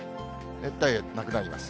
熱帯夜なくなります。